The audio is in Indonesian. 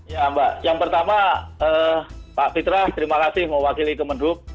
ya mbak yang pertama pak fitra terima kasih mewakili kemenhub